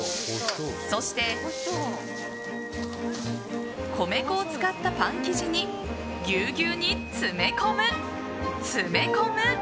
そして米粉を使ったパン生地にぎゅうぎゅうに詰め込む、詰め込む！